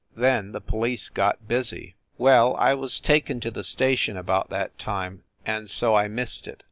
Then the police got busy. Well, I was taken to the station about that time, WYCHERLEY COURT 255 and so I missed it.